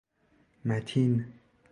متین